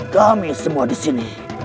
kami semua di sini